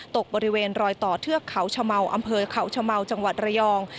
ตกบริเวณรอยต่อแถวเขาชมอำเภอเขาชมจังหวัดเรียอง